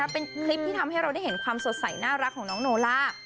เป็นคลิปที่ทำให้เราได้เห็นความสดใสน่ารักของน้องโนล่า